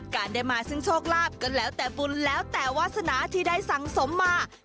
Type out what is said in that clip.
การได้มาซึ่งโชคลาภก็แล้วแต่บุญแล้วแต่วาสนาที่ได้สังสมมา